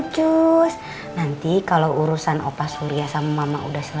semangat pasti enak